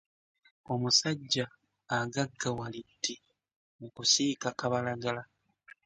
Omusajja agaggawalidde mu kusika kabalagala.